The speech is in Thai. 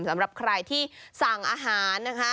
สำหรับใครที่สั่งอาหารนะคะ